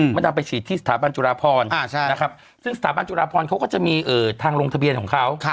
ดำไปฉีดที่สถาบันจุฬาพรนะครับซึ่งสถาบันจุฬาพรเขาก็จะมีทางลงทะเบียนของเขา